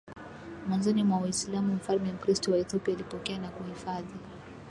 mwanzoni mwa Uislamu Mfalme Mkristo wa Ethiopia alipokea na kuhifadhi